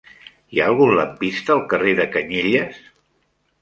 Hi ha algun lampista al carrer de Canyelles?